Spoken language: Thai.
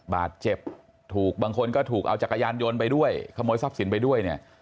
บาดเจ็บถูกบางคนก็ถูกเอาจักรยานยนต์ไปด้วยขโมยทรัพย์สินไปด้วยเนี่ย